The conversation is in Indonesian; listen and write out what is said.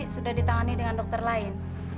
sudah ditangani dengan dokter lain